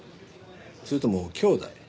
それとも兄弟？